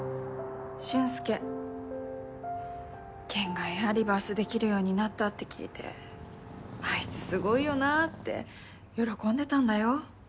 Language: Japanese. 俊介ケンがエアーリバースできるようになったって聞いて「あいつすごいよなぁ」って喜んでたんだよ？